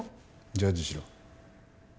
ジャッジしろ。